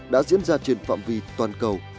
đã diễn ra trên phạm vi toàn cầu